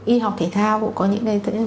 y học thể thao cũng có những cái